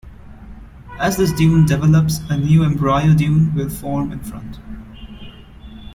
As this dune develops, a new Embryo dune will form in front.